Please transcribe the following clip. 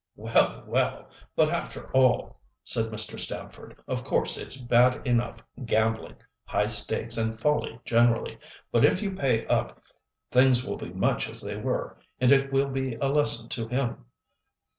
"Well, well! but after all," said Mr. Stamford, "of course it's bad enough, gambling—high stakes and folly generally; but if you pay up, things will be much as they were, and it will be a lesson to him."